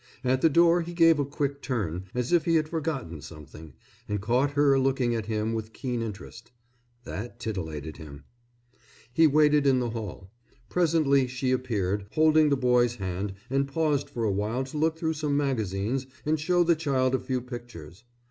At the door he gave a quick turn, as if he had forgotten something, and caught her looking at him with keen interest. That titillated him. He waited in the hall. Presently she appeared, holding the boy's hand and paused for a while to look through some magazines and show the child a few pictures.